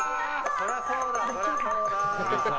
そりゃそうだ。